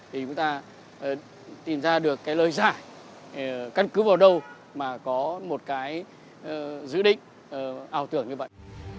thì chúng ta tìm ra được cái lời giải căn cứ vào đâu mà có một cái dự định ảo tưởng như vậy